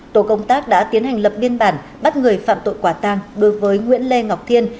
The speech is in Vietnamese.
tổ công tác đã tiến hành lập biên bản bắt người phạm tội quả tang đối với nguyễn lê ngọc thiên